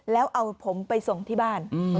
แล้วเอาผมไปส่งที่บ้าน